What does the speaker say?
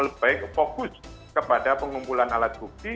lebih baik fokus kepada pengumpulan alat bukti